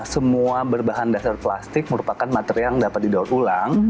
semua berbahan dasar plastik merupakan materi yang dapat didaur ulang